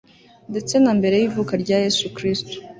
ndetse na mbere y'ivuka rya yezu kristu